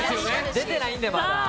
出てないんで、まだ。